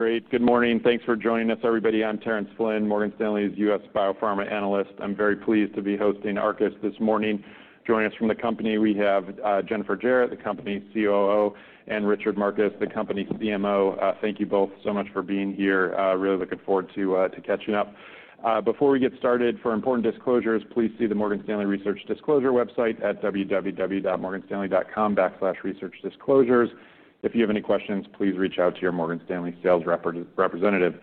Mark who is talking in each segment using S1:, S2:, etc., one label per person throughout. S1: Great. Good morning. Thanks for joining us, everybody. I'm Terrence Flynn, Morgan Stanley's U.S. biopharma analyst. I'm very pleased to be hosting Arcus Biosciences this morning. Joining us from the company, we have Jennifer Jarrett, the company's Chief Operating Officer, and Richard Markus, the company's Executive Medical Officer. Thank you both so much for being here. Really looking forward to catching up. Before we get started, for important disclosures, please see the Morgan Stanley Research Disclosure website at www.morganstanley.com/researchdisclosures. If you have any questions, please reach out to your Morgan Stanley sales representative.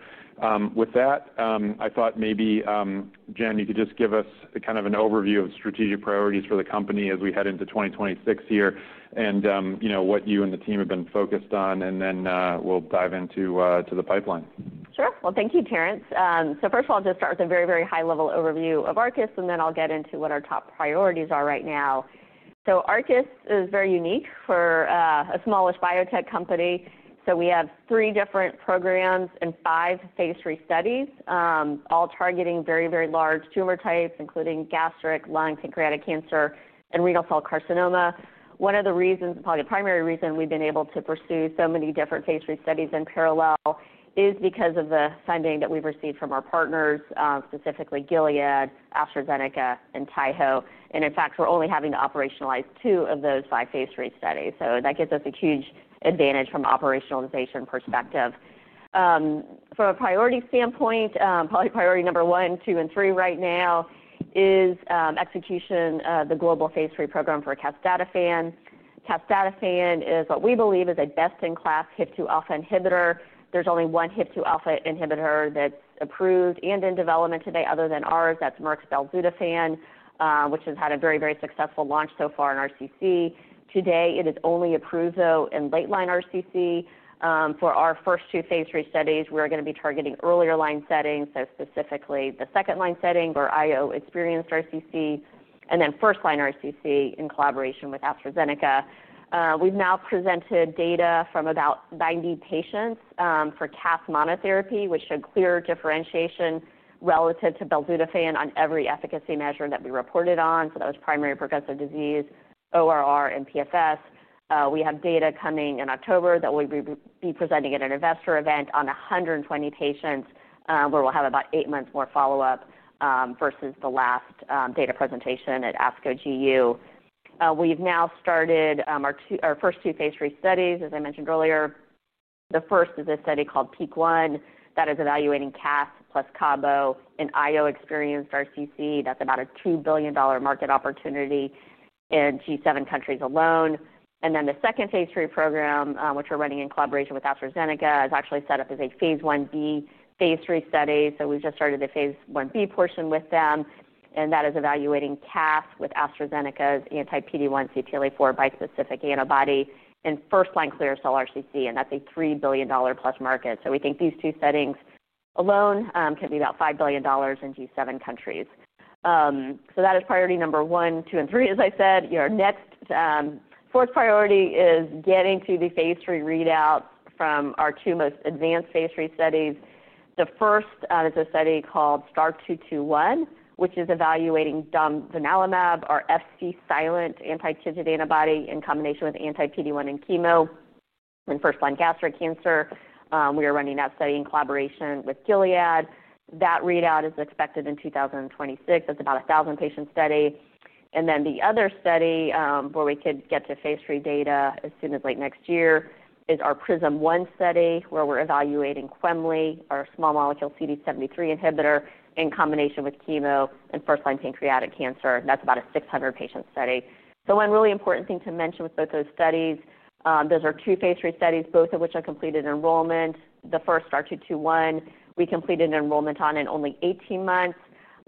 S1: With that, I thought maybe, Jen, you could just give us kind of an overview of strategic priorities for the company as we head into 2026 here and what you and the team have been focused on, and then we'll dive into the pipeline.
S2: Sure. Thank you, Terrence. First of all, I'll just start with a very, very high-level overview of Arcus Biosciences, and then I'll get into what our top priorities are right now. Arcus Biosciences is very unique for a smallish biotech company. We have three different programs and five phase III studies, all targeting very, very large tumor types, including gastric, lung, pancreatic cancer, and renal cell carcinoma. One of the reasons, probably the primary reason we've been able to pursue so many different phase III studies in parallel is because of the funding that we've received from our partners, specifically Gilead Sciences, AstraZeneca, and Taiho Pharmaceutical. In fact, we're only having to operationalize two of those five phase III studies. That gives us a huge advantage from an operationalization perspective. From a priority standpoint, probably priority number one, two, and three right now is execution of the global phase III program for casdatifan. Casdatifan is what we believe is a best-in-class HIF2α inhibitor. There's only one HIF2α inhibitor that's approved and in development today other than ours. That's Merck's belzutifan, which has had a very, very successful launch so far in RCC. Today, it is only approved, though, in late-line RCC. For our first two phase III studies, we're going to be targeting earlier line settings, specifically the second-line setting where IO-experienced RCC and then first-line RCC in collaboration with AstraZeneca. We've now presented data from about 90 patients for casdatifan monotherapy, which showed clear differentiation relative to belzutifan on every efficacy measure that we reported on. That was primary progressive disease, ORR, and PFS. We have data coming in October that we'll be presenting at an investor event on 120 patients where we'll have about eight months more follow-up versus the last data presentation at ASCO GU. We've now started our first two phase III studies, as I mentioned earlier. The first is a study called PEAK1 that is evaluating casdatifan plus cabozantinib in IO-experienced RCC. That's about a $2 billion market opportunity in G7 countries alone. The second phase III program, which we're running in collaboration with AstraZeneca, is actually set up as a phase Ib/phase III study. We've just started a phase Ib portion with them, and that is evaluating casdatifan with AstraZeneca's anti-PD-1/CTLA-4 bispecific antibody in first-line clear cell RCC. That's a $3 billion plus market. We think these two settings alone could be about $5 billion in G7 countries. That is priority number one, two, and three, as I said. Our next fourth priority is getting to the phase III readouts from our two most advanced phase III studies. The first is a study called START221, which is evaluating domvanalimab, our Fc-silent anti-TIGIT antibody, in combination with anti-PD-1 and chemo in first-line gastric cancer. We are running that study in collaboration with Gilead. That readout is expected in 2026. That's about a 1,000-patient study. The other study where we could get to phase III data as soon as late next year is our PRISM1 study, where we're evaluating quemliclustat, our small molecule CD73 inhibitor, in combination with chemo in first-line pancreatic cancer. That's about a 600-patient study. One really important thing to mention with both those studies is that those are two phase III studies, both of which have completed enrollment. The first, START221, we completed enrollment on in only 18 months.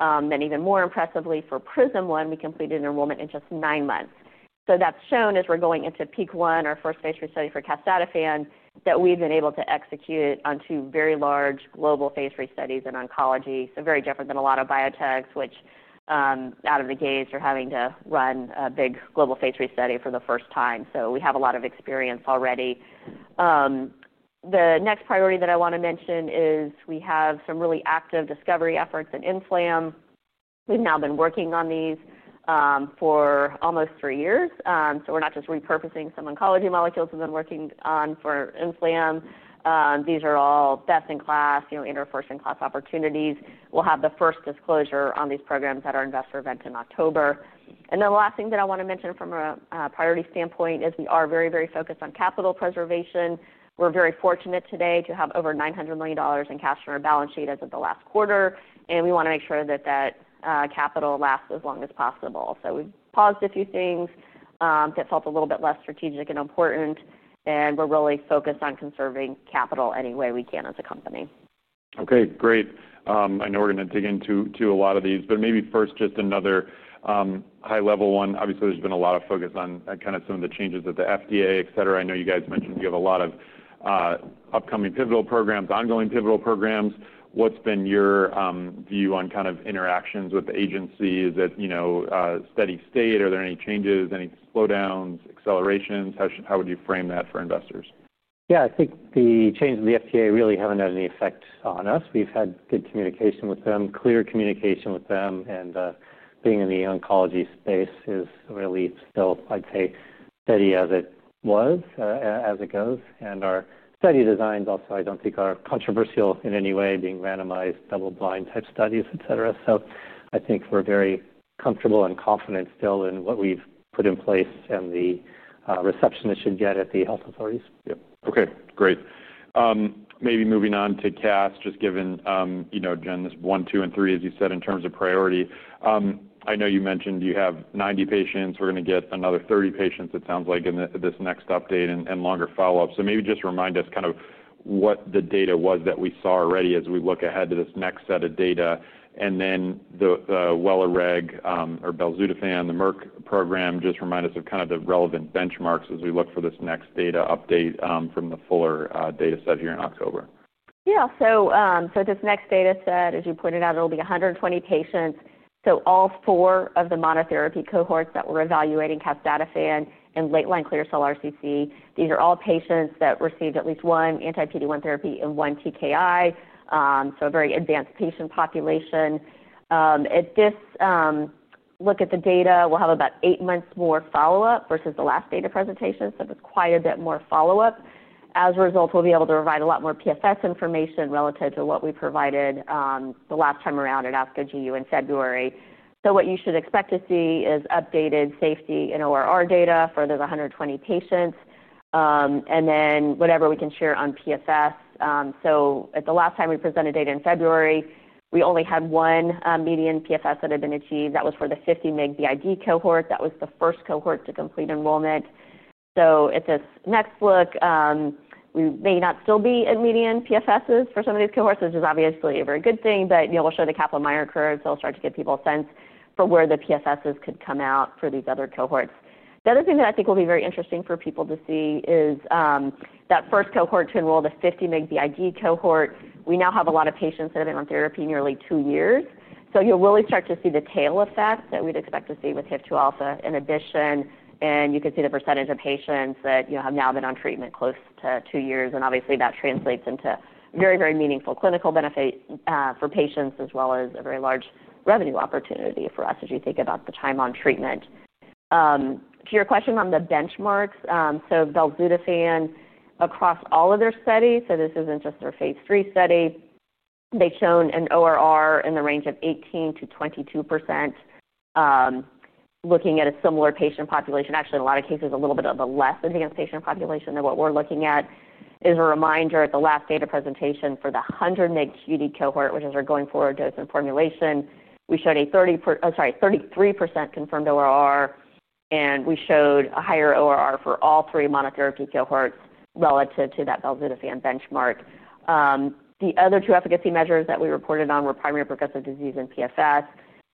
S2: Even more impressively, for PRISM1, we completed enrollment in just nine months. That has shown as we're going into PEAK1, our first phase III study for casdatifan, that we've been able to execute on two very large global phase III studies in oncology. This is very different than a lot of biotechs, which out of the gates are having to run a big global phase III study for the first time. We have a lot of experience already. The next priority that I want to mention is we have some really active discovery efforts in inflammation. We've now been working on these for almost three years. We're not just repurposing some oncology molecules and then working on for inflammation. These are all best-in-class, you know, or first-in-class opportunities. We'll have the first disclosure on these programs at our investor event in October. The last thing that I want to mention from a priority standpoint is we are very, very focused on capital preservation. We're very fortunate today to have over $900 million in cash on our balance sheet as of the last quarter. We want to make sure that that capital lasts as long as possible. We've paused a few things that felt a little bit less strategic and important. We're really focused on conserving capital any way we can as a company.
S1: Okay. Great. I know we're going to dig into a lot of these, but maybe first just another high-level one. Obviously, there's been a lot of focus on kind of some of the changes at the FDA, etc. I know you guys mentioned you have a lot of upcoming pivotal programs, ongoing pivotal programs. What's been your view on kind of interactions with the agencies at, you know, steady state? Are there any changes, any slowdowns, accelerations? How would you frame that for investors?
S3: Yeah. I think the change in the FDA really hasn't had any effect on us. We've had good communication with them, clear communication with them. Being in the oncology space is really still, I'd say, steady as it was, as it goes. Our study designs also, I don't think, are controversial in any way, being randomized, double-blind type studies, etc. I think we're very comfortable and confident still in what we've put in place and the reception it should get at the health authorities.
S1: Okay. Great. Maybe moving on to CAF, just given, you know, Jen, this one, two, and three, as you said, in terms of priority. I know you mentioned you have 90 patients. We're going to get another 30 patients, it sounds like, in this next update and longer follow-up. Maybe just remind us kind of what the data was that we saw already as we look ahead to this next set of data. The Welireg or belzutifan, the Merck program, just remind us of kind of the relevant benchmarks as we look for this next data update from the fuller data set here in October.
S2: Yeah. So this next data set, as you pointed out, it'll be 120 patients. All four of the monotherapy cohorts that we're evaluating, casdatifan in late-line clear cell RCC, these are all patients that received at least one anti-PD-1 therapy and one TKI. A very advanced patient population. At this look at the data, we'll have about eight months more follow-up versus the last data presentation. It's quite a bit more follow-up. As a result, we'll be able to provide a lot more PFS information relative to what we provided the last time around at ASCO GU in February. What you should expect to see is updated safety and ORR data for those 120 patients, and then whatever we can share on PFS. At the last time we presented data in February, we only had one median PFS that had been achieved. That was for the 50 mg BID cohort. That was the first cohort to complete enrollment. At this next look, we may not still be in median PFSs for some of these cohorts, which is obviously a very good thing. We'll show the Kaplan-Meier curve to start to give people a sense for where the PFSs could come out for these other cohorts. The other thing that I think will be very interesting for people to see is that first cohort to enroll, the 50 mg BID cohort, we now have a lot of patients that have been on therapy nearly two years. You'll really start to see the tail effect that we'd expect to see with HIF2α in addition. You can see the percentage of patients that have now been on treatment close to two years. Obviously, that translates into very, very meaningful clinical benefit for patients as well as a very large revenue opportunity for us as you think about the time on treatment. To your question on the benchmarks, belzutifan across all of their studies, so this isn't just their Phase III study, they've shown an ORR in the range of 18% to 22%, looking at a similar patient population. Actually, in a lot of cases, a little bit of a less advanced patient population than what we're looking at. As a reminder, at the last data presentation for the 100 mg QD cohort, which is our going forward dose and formulation, we showed a 33% confirmed ORR. We showed a higher ORR for all three monotherapy cohorts relative to that belzutifan benchmark. The other two efficacy measures that we reported on were primary progressive disease and PFS.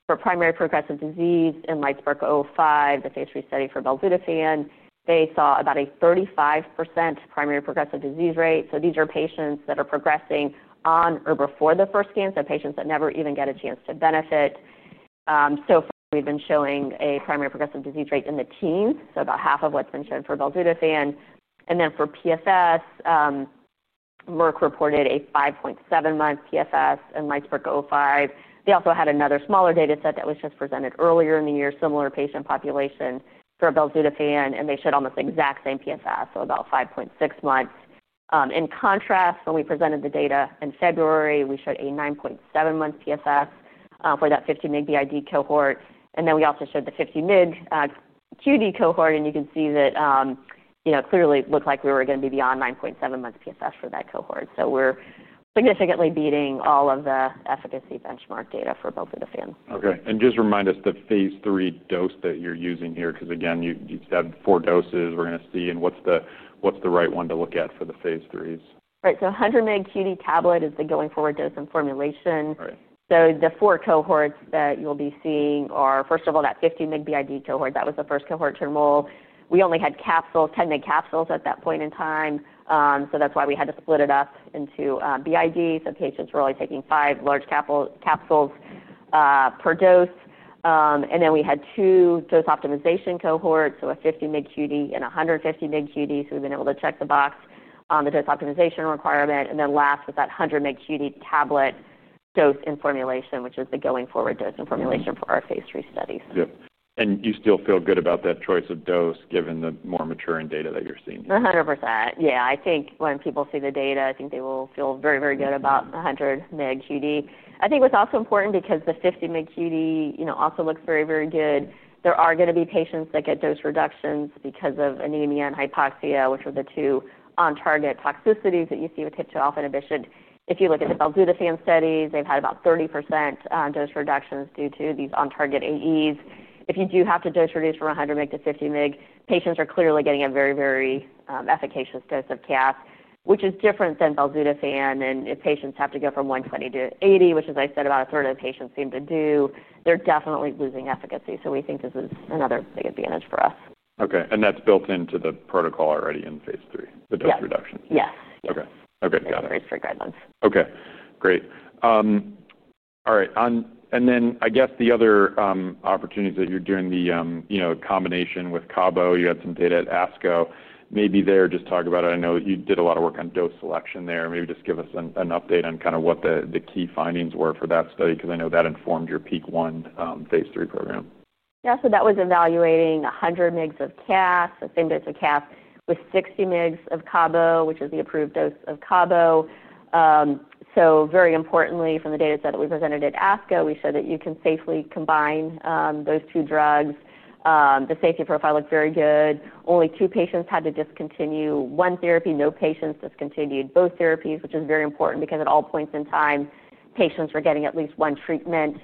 S2: For primary progressive disease in LIFESPARK-05, the Phase III study for belzutifan, they saw about a 35% primary progressive disease rate. These are patients that are progressing on or before their first scans. They're patients that never even get a chance to benefit. We've been showing a primary progressive disease rate in the teens, so about half of what's been shown for belzutifan. For PFS, Merck reported a 5.7-month PFS in LIFESPARK-05. They also had another smaller data set that was just presented earlier in the year, similar patient population for belzutifan, and they showed almost the exact same PFS, so about 5.6 months. In contrast, when we presented the data in February, we showed a 9.7-month PFS for that 50 mg BID cohort. We also showed the 50 mg QD cohort, and you can see that it clearly looked like we were going to be beyond 9.7 months PFS for that cohort. We're significantly beating all of the efficacy benchmark data for belzutifan.
S1: Okay. Just remind us the phase III dose that you're using here because, again, you said four doses we're going to see. What's the right one to look at for the phase IIIs?
S2: Right. So 100-mg QD tablet is the going forward dose and formulation. The four cohorts that you'll be seeing are, first of all, that 50-mg BID cohort. That was the first cohort to enroll. We only had 10-mg capsules at that point in time, which is why we had to split it up into BID. Patients were only taking five large capsules per dose. We had two dose optimization cohorts, a 50-mg QD and a 150-mg QD. We've been able to check the box on the dose optimization requirement. Last was that 100-mg QD tablet dose and formulation, which is the going forward dose and formulation for our phase III studies.
S1: Do you still feel good about that choice of dose given the more maturing data that you're seeing?
S2: 100%. Yeah. I think when people see the data, I think they will feel very, very good about the 100-mg QD. I think what's also important because the 50-mg QD also looks very, very good, there are going to be patients that get dose reductions because of anemia and hypoxia, which are the two on-target toxicities that you see with HIF2α inhibition. If you look at the belzutifan studies, they've had about 30% dose reductions due to these on-target AEs. If you do have to dose reduce from 100-mg to 50-mg, patients are clearly getting a very, very efficacious dose of casdatifan, which is different than belzutifan. If patients have to go from 120 to 80, which, as I said, about a third of the patients seem to do, they're definitely losing efficacy. We think this is another big advantage for us.
S1: Okay. That's built into the protocol already in phase III, the dose reduction?
S2: Yes.
S1: Okay. Got it.
S2: In the phase III guidelines.
S1: Great. All right. I guess the other opportunities that you're doing the, you know, combination with cabozantinib, you had some data at ASCO. Maybe just talk about it. I know you did a lot of work on dose selection there. Maybe just give us an update on kind of what the key findings were for that study because I know that informed your PEAK1 phase III program.
S2: Yeah. That was evaluating 100 mg of casdatifan, the same dose of casdatifan with 60 mg of cabozantinib, which is the approved dose of cabozantinib. Very importantly, from the data set that we presented at ASCO, we showed that you can safely combine those two drugs. The safety profile looked very good. Only two patients had to discontinue one therapy. No patients discontinued both therapies, which is very important because at all points in time, patients were getting at least one treatment.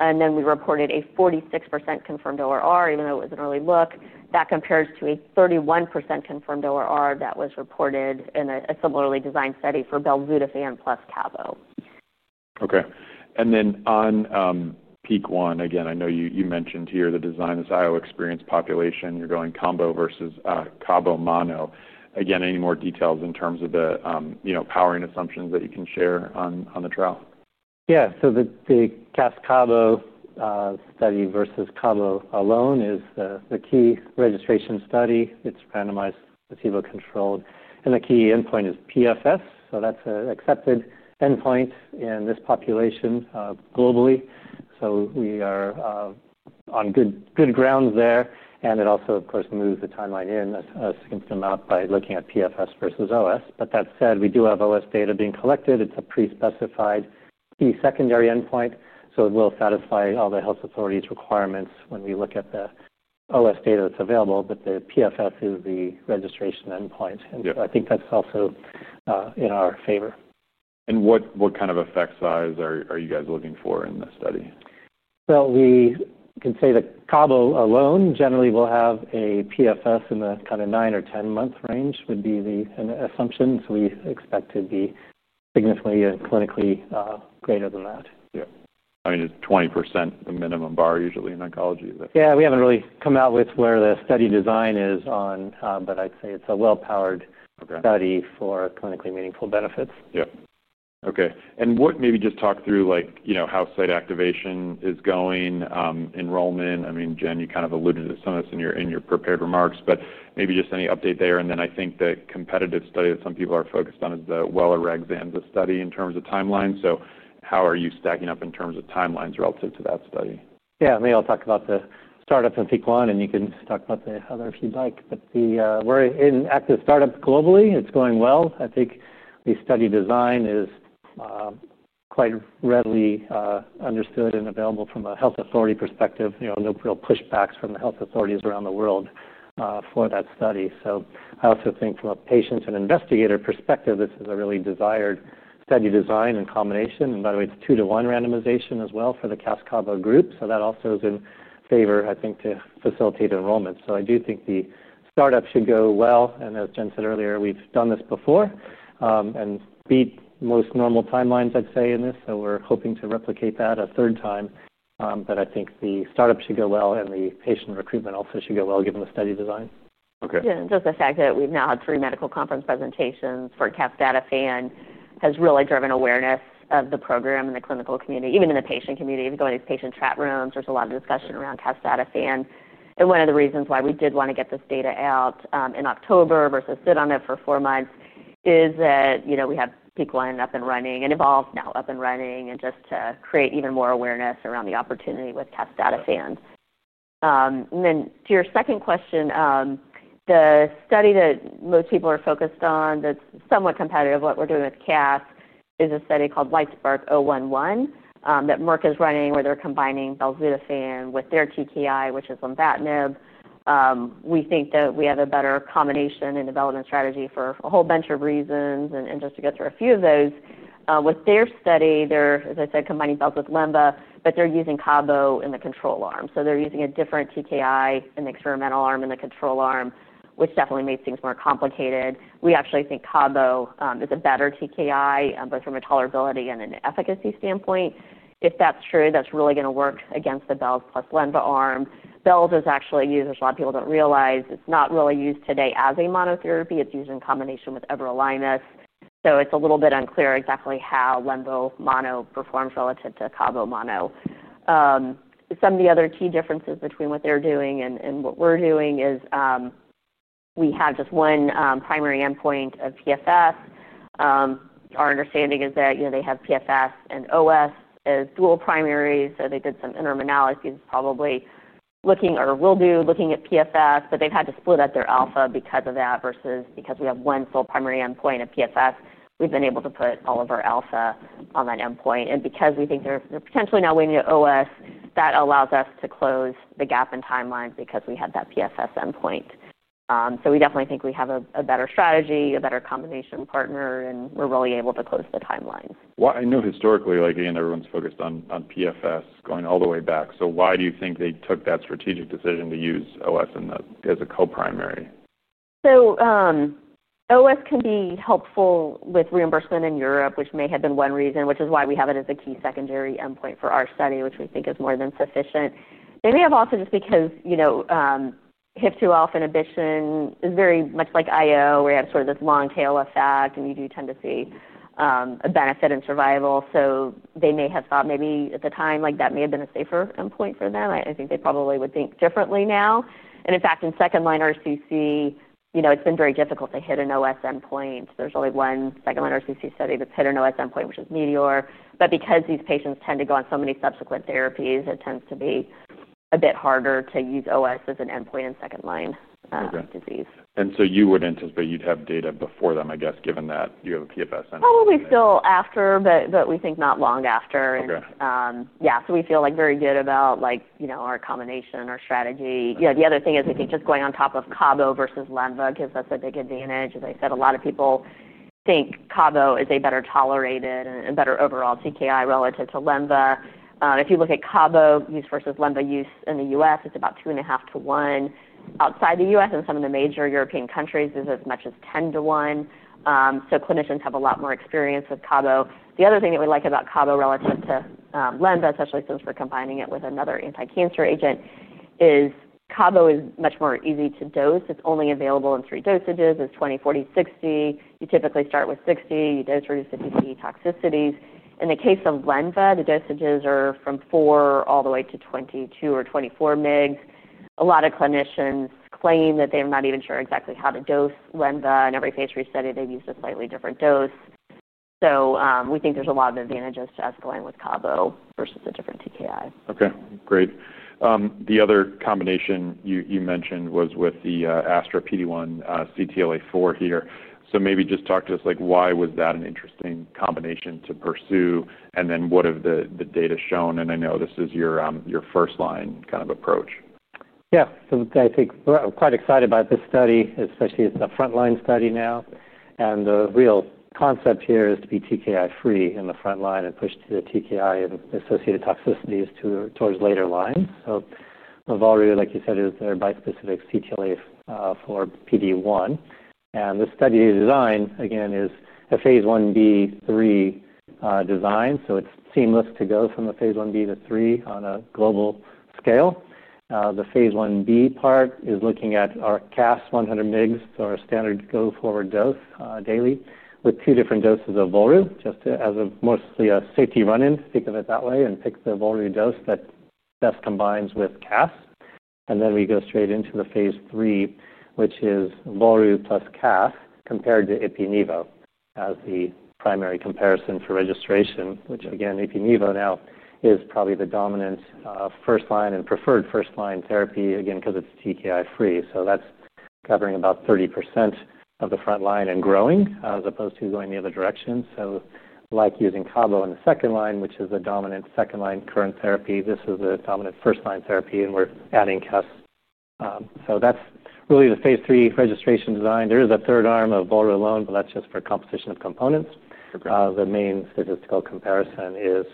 S2: We reported a 46% confirmed ORR, even though it was an early look. That compares to a 31% confirmed ORR that was reported in a similarly designed study for belzutifan plus cabozantinib.
S1: Okay. On PEAK1, I know you mentioned here the design is IO-experienced population. You're going combo versus cabozantinib mono. Any more details in terms of the powering assumptions that you can share on the trial?
S3: Yeah. The CAF-CABO study versus cabozantinib alone is the key registration study. It's randomized, placebo controlled, and the key endpoint is PFS. That's an accepted endpoint in this population globally, so we are on good grounds there. It also, of course, moves the timeline in a significant amount by looking at PFS versus overall survival. That said, we do have overall survival data being collected. It's a pre-specified secondary endpoint, so it will satisfy all the health authorities' requirements when we look at the overall survival data that's available. The PFS is the registration endpoint, and I think that's also in our favor.
S1: What kind of effect size are you guys looking for in this study?
S3: CABO alone generally will have a PFS in the kind of 9 or 10-month range would be the assumption. We expect to be significantly clinically greater than that.
S1: Yeah, I mean, it's 20% the minimum bar usually in oncology.
S3: Yeah, we haven't really come out with where the study design is on, but I'd say it's a well-powered study for clinically meaningful benefits.
S1: Yeah. Okay. Maybe just talk through, like, you know, how site activation is going, enrollment. I mean, Jen, you kind of alluded to some of this in your prepared remarks, but maybe just any update there. I think the competitive study that some people are focused on is the Welireg/Zanza study in terms of timeline. How are you stacking up in terms of timelines relative to that study?
S3: Yeah. Maybe I'll talk about the startup and PEAK1, and you can talk about the other if you'd like. We're in at the startup globally. It's going well. I think the study design is quite readily understood and available from a health authority perspective. No real pushbacks from the health authorities around the world for that study. I also think from a patient and investigator perspective, this is a really desired study design and combination. By the way, it's two-to-one randomization as well for the CAF-CABO group. That also is in favor, I think, to facilitate enrollment. I do think the startup should go well. As Jen said earlier, we've done this before and beat most normal timelines, I'd say, in this. We're hoping to replicate that a third time. I think the startup should go well and the patient recruitment also should go well given the study design.
S1: Okay.
S2: Yeah. Just the fact that we've now had three medical conference presentations for casdatifan has really driven awareness of the program in the clinical community, even in the patient community. If you go into these patient chat rooms, there's a lot of discussion around casdatifan. One of the reasons why we did want to get this data out in October versus sit on it for four months is that we have PEAK1 up and running and Evolve now up and running, just to create even more awareness around the opportunity with casdatifan. To your second question, the study that most people are focused on that's somewhat competitive of what we're doing with casdatifan is a study called Lifespan 011 that Merck is running where they're combining belzutifan with their TKI, which is lenvatinib. We think that we have a better combination and development strategy for a whole bunch of reasons. Just to go through a few of those, with their study, they're, as I said, combining belzutifan with lenvatinib, but they're using cabozantinib in the control arm. They're using a different TKI in the experimental arm and the control arm, which definitely makes things more complicated. We actually think cabozantinib is a better TKI, but from a tolerability and an efficacy standpoint, if that's true, that's really going to work against the belzutifan plus lenvatinib arm. Belzutifan is actually used, which a lot of people don't realize, it's not really used today as a monotherapy. It's used in combination with everolimus. It's a little bit unclear exactly how lenvatinib mono performs relative to cabozantinib mono. Some of the other key differences between what they're doing and what we're doing is we have just one primary endpoint of PFS. Our understanding is that they have PFS and overall survival as dual primaries. They did some interim analysis, probably looking or will do looking at PFS, but they've had to split up their alpha because of that versus because we have one full primary endpoint of PFS. We've been able to put all of our alpha on that endpoint. Because we think they're potentially now waiting at overall survival, that allows us to close the gap in timeline because we had that PFS endpoint. We definitely think we have a better strategy, a better combination partner, and we're really able to close the timeline.
S1: I know historically, like again, everyone's focused on PFS going all the way back. Why do you think they took that strategic decision to use OS as a co-primary?
S2: OS can be helpful with reimbursement in Europe, which may have been one reason, which is why we have it as a key secondary endpoint for our study, which we think is more than sufficient. They may have also just because, you know, HIF2α inhibition is very much like IO, where you have sort of this long tail effect, and you do tend to see a benefit in survival. They may have thought maybe at the time, like that may have been a safer endpoint for them. I think they probably would think differently now. In fact, in second-line RCC, you know, it's been very difficult to hit an OS endpoint. There's only one second-line RCC study that's hit an OS endpoint, which is METEOR. Because these patients tend to go on so many subsequent therapies, it tends to be a bit harder to use OS as an endpoint in second-line disease.
S1: Okay. You would anticipate you'd have data before them, I guess, given that you have a PFS endpoint?
S2: Probably still after, but we think not long after.
S1: Okay.
S2: Yeah. We feel very good about, you know, our combination, our strategy. The other thing is we think just going on top of cabozantinib versus Lemba gives us a big advantage. As I said, a lot of people think cabozantinib is a better tolerated and a better overall TKI relative to Lemba. If you look at cabozantinib use versus Lemba use in the U.S., it's about 2.5 to 1. Outside the U.S. and some of the major European countries, it's as much as 10 to 1. Clinicians have a lot more experience with cabozantinib. The other thing that we like about cabozantinib relative to Lemba, especially since we're combining it with another anti-cancer agent, is cabozantinib is much more easy to dose. It's only available in three dosages. It's 20, 40, 60. You typically start with 60. You dose reduce the toxicities. In the case of Lemba, the dosages are from 4 all the way to 22 or 24 mg. A lot of clinicians claim that they're not even sure exactly how to dose Lemba. In every phase III study, they've used a slightly different dose. We think there's a lot of advantages to us going with cabozantinib versus a different TKI.
S1: Okay. Great. The other combination you mentioned was with the AstraZeneca anti-PD-1/CTLA-4 bispecific antibody here. Maybe just talk to us, like why was that an interesting combination to pursue? What have the data shown? I know this is your first-line kind of approach.
S3: Yeah. I think we're quite excited about this study, especially it's a front-line study now. The real concept here is to be TKI-free in the front line and push the TKI and associated toxicities towards later lines. So volrustomig, like you said, is their bispecific CTLA-4/PD-1. The study design, again, is a phase IB/III design. It's seamless to go from the phase IB to III on a global scale. The phase IB part is looking at our casdatifan 100 mg, so our standard go-forward dose daily with two different doses of volrustomig, just as mostly a safety run-in, think of it that way, and pick the volrustomig dose that best combines with casdatifan. Then we go straight into the phase III, which is volrustomig plus casdatifan compared to ipilimumab/nivolumab as the primary comparison for registration, which, again, ipilimumab/nivolumab now is probably the dominant first-line and preferred first-line therapy, again, because it's TKI-free. That's covering about 30% of the front line and growing as opposed to going the other direction. Like using cabozantinib in the second line, which is the dominant second-line current therapy, this is the dominant first-line therapy, and we're adding casdatifan. That's really the phase III registration design. There is a third arm of volrustomig alone, but that's just for composition of components. The main statistical comparison is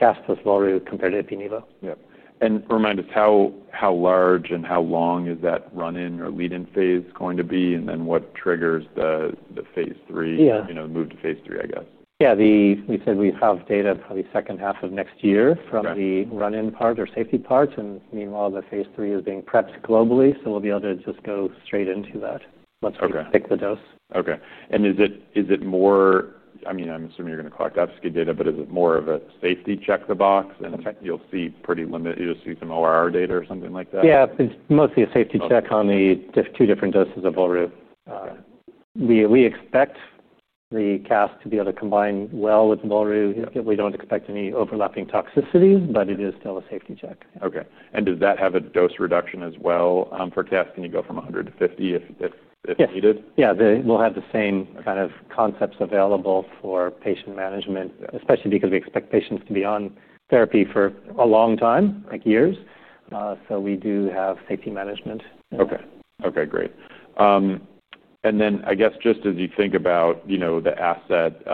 S3: casdatifan plus volrustomig compared to ipilimumab/nivolumab.
S1: Yeah. Remind us how large and how long is that run-in or lead-in phase going to be? What triggers the phase III, you know, move to phase III, I guess?
S3: Yeah. We said we have data probably second half of next year from the run-in part or safety parts. Meanwhile, the phase III is being prepped globally. We'll be able to just go straight into that once we pick the dose.
S1: Okay. Is it more, I mean, I'm assuming you're going to collect upskill data, but is it more of a safety check the box? You'll see pretty limited, you'll see some ORR data or something like that?
S3: Yeah. It's mostly a safety check on the two different doses of volrustomig. We expect the CAF to be able to combine well with volrustomig. We don't expect any overlapping toxicities, but it is still a safety check.
S1: Okay. Does that have a dose reduction as well for casdatifan? Can you go from 100 to 50 if needed?
S3: We have the same kind of concepts available for patient management, especially because we expect patients to be on therapy for a long time, like years. We do have safety management.
S1: Okay. Great. I guess just as you think about the asset,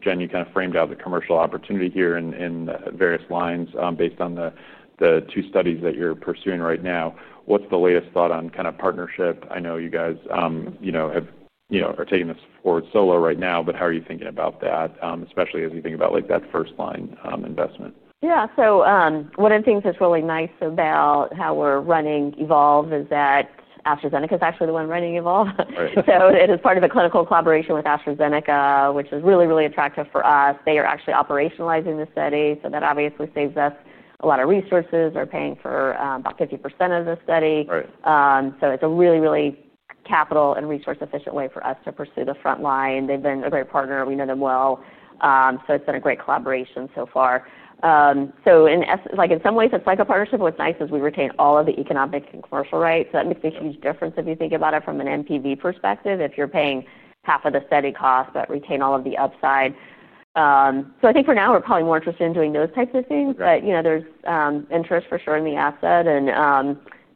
S1: Jen, you kind of framed out the commercial opportunity here in various lines based on the two studies that you're pursuing right now. What's the latest thought on kind of partnership? I know you guys have, you know, are taking this forward solo right now, but how are you thinking about that, especially as you think about like that first-line investment?
S2: Yeah. One of the things that's really nice about how we're running Evolve is that AstraZeneca is actually the one running Evolve. It is part of the clinical collaboration with AstraZeneca, which is really, really attractive for us. They are actually operationalizing the study. That obviously saves us a lot of resources. We're paying for about 50% of the study. It's a really, really capital and resource-efficient way for us to pursue the front line. They've been a great partner. We know them well. It's been a great collaboration so far. In some ways, it's like a partnership. What's nice is we retain all of the economic and commercial rights. That makes a huge difference if you think about it from an NPV perspective. If you're paying half of the study cost but retain all of the upside. For now, we're probably more interested in doing those types of things. There's interest for sure in the asset.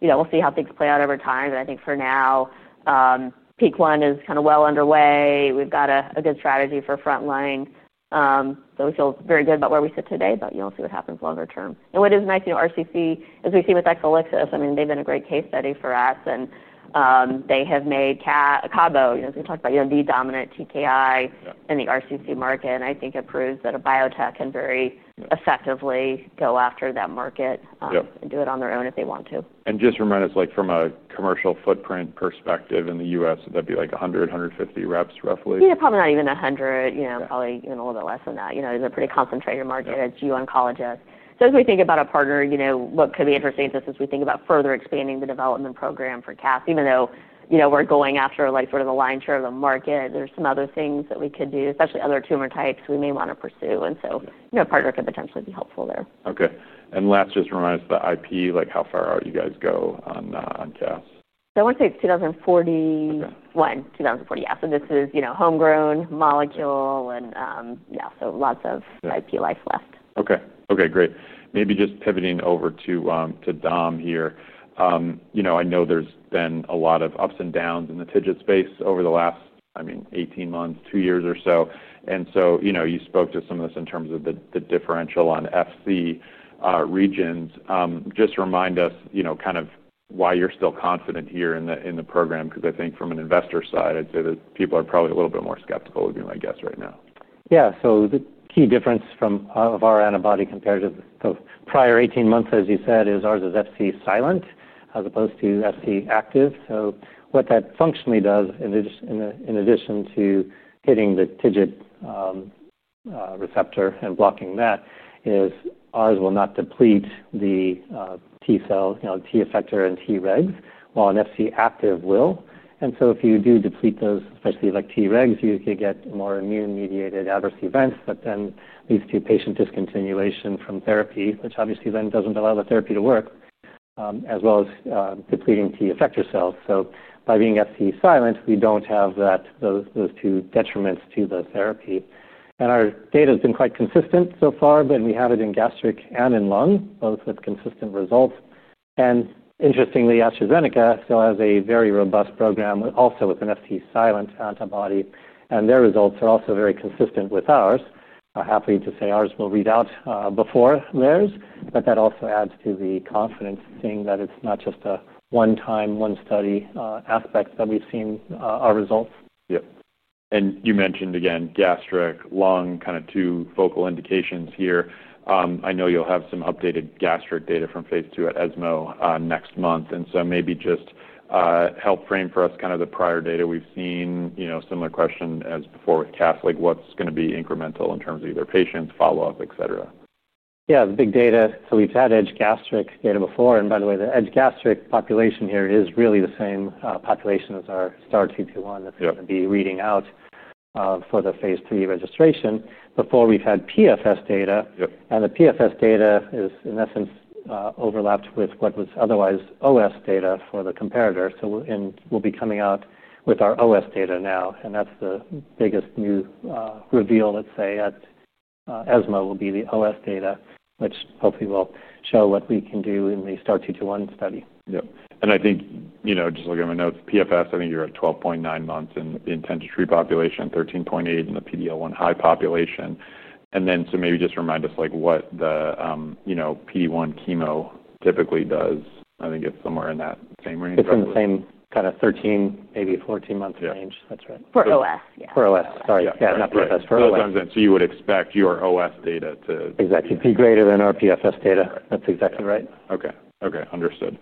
S2: We'll see how things play out over time. For now, PEAK1 is kind of well underway. We've got a good strategy for front line. We feel very good about where we sit today, but you'll see what happens longer term. What is nice, RCC, as we see with Exelixis, they've been a great case study for us. They have made cabozantinib, as we talked about, the dominant TKI in the RCC market. I think it proves that a biotech can very effectively go after that market and do it on their own if they want to.
S1: Just remind us, like from a commercial footprint perspective in the U.S., that'd be like 100, 150 reps roughly?
S2: Yeah, probably not even 100. Probably even a little bit less than that. It's a pretty concentrated market at GU Oncologist. As we think about a partner, what could be interesting is just as we think about further expanding the development program for CAF, even though we're going after like sort of the lion's share of the market, there's some other things that we could do, especially other tumor types we may want to pursue. A partner could potentially be helpful there.
S1: Okay. Last, just remind us about IP. How far out you guys go on casdatifan?
S2: I want to say it's 2041, 2040. This is, you know, homegrown molecule. Yeah, so lots of IP life left.
S1: Okay. Great. Maybe just pivoting over to Dom here. I know there's been a lot of ups and downs in the TIGIT space over the last, I mean, 18 months, two years or so. You spoke to some of this in terms of the differential on Fc regions. Just remind us why you're still confident here in the program because I think from an investor side, I'd say that people are probably a little bit more skeptical would be my guess right now.
S3: Yeah. The key difference from our antibody compared to the prior 18 months, as you said, is ours is Fc-silent as opposed to Fc-active. What that functionally does, in addition to hitting the TIGIT receptor and blocking that, is ours will not deplete the T cell, you know, T effector and T regs, while an Fc-active will. If you do deplete those, especially like T regs, you could get more immune-mediated adverse events, which then leads to patient discontinuation from therapy, which obviously then doesn't allow the therapy to work, as well as depleting T effector cells. By being Fc-silent, we don't have those two detriments to the therapy. Our data has been quite consistent so far, and we have it in gastric and in lung, both with consistent results. Interestingly, AstraZeneca still has a very robust program also with an Fc-silent antibody, and their results are also very consistent with ours. I'm happy to say ours will read out before theirs, but that also adds to the confidence thing that it's not just a one-time, one-study aspect that we've seen our results.
S1: Yeah. You mentioned again gastric, lung, kind of two focal indications here. I know you'll have some updated gastric data from Phase II at ESMO next month. Maybe just help frame for us kind of the prior data we've seen. You know, similar question as before with CAF, like what's going to be incremental in terms of either patients, follow-up, etc.
S3: Yeah. The big data. We've had edge gastric data before. By the way, the edge gastric population here is really the same population as our START221 that's going to be reading out for the phase III registration. Before, we've had PFS data. The PFS data is, in essence, overlapped with what was otherwise OS data for the comparator. We'll be coming out with our OS data now. That's the biggest new reveal, let's say, at ESMO will be the OS data, which hopefully will show what we can do in the START221 study.
S1: Yeah. I think, you know, just looking at my notes, PFS, I think you're at 12.9 months in the intent-to-treat population, 13.8 in the PD-L1 high population. Maybe just remind us like what the, you know, PD-1 chemo typically does. I think it's somewhere in that same range.
S3: It's in the same kind of 13, maybe 14-month range. That's right.
S2: For overall survival. Yeah.
S3: For overall survival. Sorry. Yeah, not PFS.
S1: You would expect your OS data to.
S3: Exactly. It'd be greater than our PFS data. That's exactly right.
S1: Okay. Understood.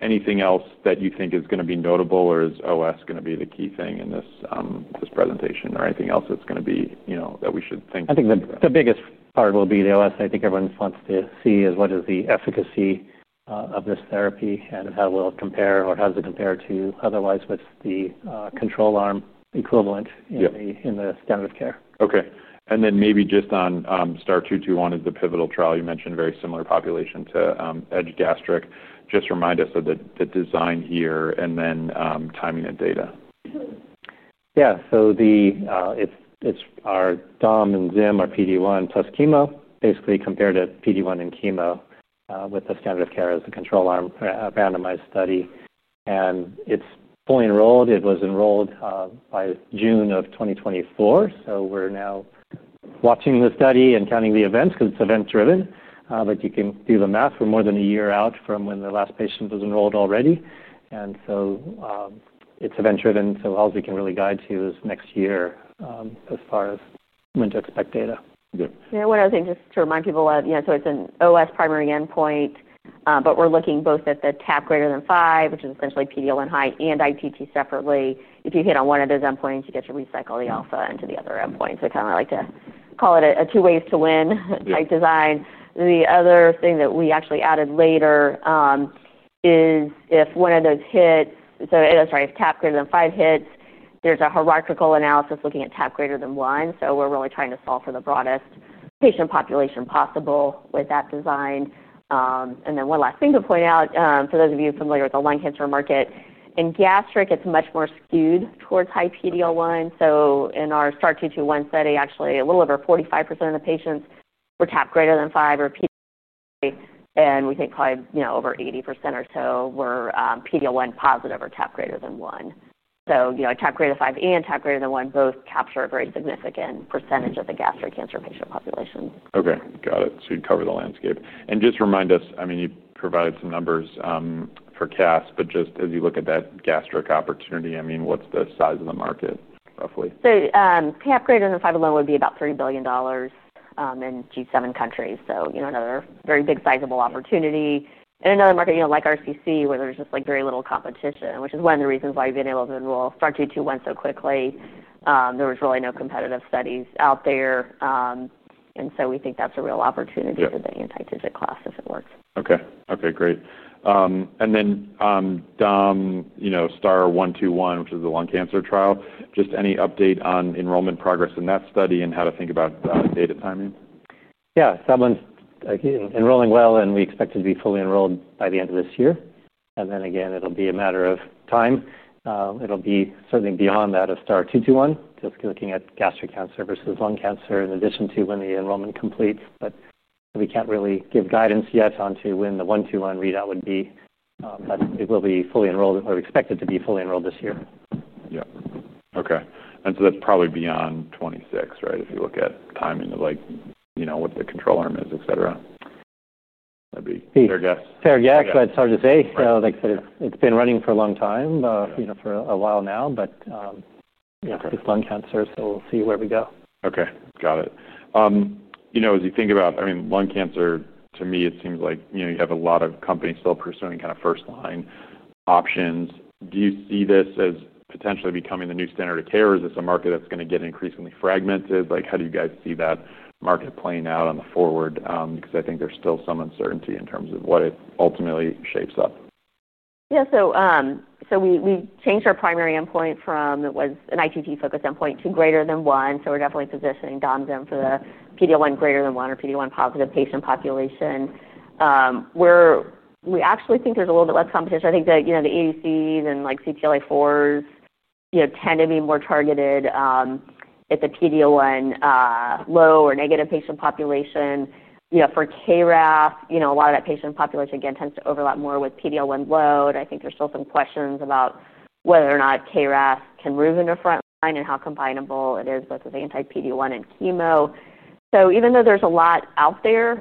S1: Anything else that you think is going to be notable, or is OS going to be the key thing in this presentation, or anything else that's going to be, you know, that we should think about?
S3: I think the biggest part will be the overall survival that I think everyone wants to see is what is the efficacy of this therapy, and how will it compare or how does it compare to otherwise with the control arm equivalent in the standard of care.
S1: Okay. Maybe just on START221 as the pivotal trial, you mentioned very similar population to EDGE-Gastric. Just remind us of the design here, and then timing and data.
S3: Yeah. So it's our domvanalimab and zimberelimab, our PD-1 plus chemo, basically compared to PD-1 and chemo, with the standard of care as the control arm randomized study. It's fully enrolled. It was enrolled by June of 2024. We're now watching the study and counting the events because it's event-driven. You can do the math. We're more than a year out from when the last patient was enrolled already. It's event-driven, so all we can really guide to is next year, as far as when to expect data.
S1: Yeah.
S2: Yeah. What I was saying just to remind people, you know, so it's an OS primary endpoint, but we're looking both at the TAP greater than 5, which is essentially PD-L1 high, and IPT separately. If you hit on one of those endpoints, you get to recycle the alpha into the other endpoints. We kind of like to call it a two-ways-to-win type design. The other thing that we actually added later is if one of those hits, if TAP greater than 5 hits, there's a hierarchical analysis looking at TAP greater than 1. We're really trying to solve for the broadest patient population possible with that design. One last thing to point out, for those of you familiar with the lung cancer market, in gastric, it's much more skewed towards high PD-L1. In our START221 study, actually, a little over 45% of the patients were TAP greater than 5 or PD-L1. We think probably over 80% or so were PD-L1 positive or TAP greater than 1. A TAP greater than 5 and TAP greater than 1 both capture a very significant percentage of the gastric cancer patient population.
S1: Okay. Got it. You cover the landscape. Just remind us, you provided some numbers for CAF, but just as you look at that gastric opportunity, what's the size of the market, roughly?
S2: TAP greater than five alone would be about $3 billion in G7 countries. You know, another very big sizable opportunity. Another market, like RCC, where there's just very little competition, which is one of the reasons why we've been able to enroll START221 so quickly. There was really no competitive studies out there, and we think that's a real opportunity for the anti-TIGIT class if it works.
S1: Okay. Great. Then, DOM, you know, STAR-121, which is the lung cancer trial, just any update on enrollment progress in that study and how to think about data timing?
S3: Yeah. Someone again, enrolling well, and we expect it to be fully enrolled by the end of this year. Then again, it'll be a matter of time. It'll be certainly beyond that of STAR 221, just looking at gastric cancer versus lung cancer in addition to when the enrollment completes. We can't really give guidance yet onto when the 121 readout would be, but it will be fully enrolled or expected to be fully enrolled this year.
S1: Yeah. Okay. That's probably beyond 2026, right, if you look at timing of, like, you know, what the control arm is, etc. That'd be a fair guess.
S3: Fair guess, but it's hard to say. Like I said, it's been running for a long time, for a while now. Yeah, it's lung cancer, so we'll see where we go.
S1: Okay. Got it. As you think about, I mean, lung cancer, to me, it seems like you have a lot of companies still pursuing kind of first-line options. Do you see this as potentially becoming the new standard of care, or is this a market that's going to get increasingly fragmented? How do you guys see that market playing out on the forward? I think there's still some uncertainty in terms of what it ultimately shapes up.
S2: Yeah. We changed our primary endpoint from, it was an IPT-focused endpoint, to greater than one. We're definitely positioning domvanalimab/zimberelimab for the PD-L1 greater than 1 or PD-L1 positive patient population. We actually think there's a little bit less competition. I think that, you know, the anti-PD-1/CTLA-4 bispecific antibodies and CTLA-4s tend to be more targeted at the PD-L1 low or negative patient population. For KRAS, a lot of that patient population, again, tends to overlap more with PD-L1 low. I think there's still some questions about whether or not KRAS can move into first-line and how combinable it is both with anti-PD-L1 and chemo. Even though there's a lot out there,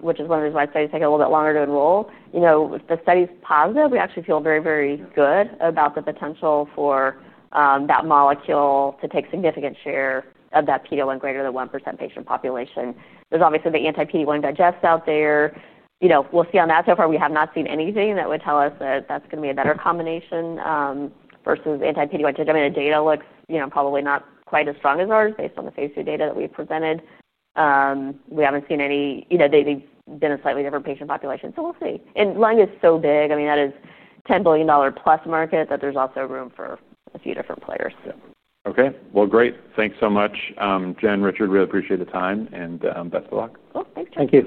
S2: which is one of the reasons why studies take a little bit longer to enroll, if the study's positive, we actually feel very, very good about the potential for that molecule to take significant share of that PD-L1 greater than 1% patient population. There's obviously the anti-PD-L1 digest out there. We'll see on that. So far, we have not seen anything that would tell us that that's going to be a better combination versus anti-PD-L1. Genetic data looks, you know, probably not quite as strong as ours based on the phase III data that we've presented. We haven't seen any, you know, they've been a slightly different patient population. We'll see. Lung is so big. That is a $10 billion plus market that there's also room for a few different players.
S1: Okay. Great. Thanks so much, Jen, Richard. Really appreciate the time and best of luck.
S2: Cool. Thanks, guys.
S3: Thank you.